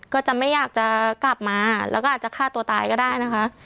ก็จะไม่อยากจะกลับมาแล้วก็อาจจะฆ่าตัวตายก็ได้นะคะ